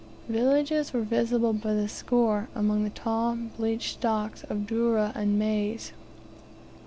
Villages were visible by the score among the tall bleached stalks of dourra and maize.